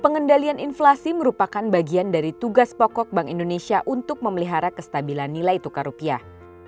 pengendalian inflasi merupakan bagian dari tugas pokok bank indonesia untuk memelihara kestabilan nilai tukar rupiah